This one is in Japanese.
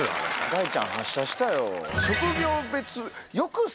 ガイちゃん発射したよ。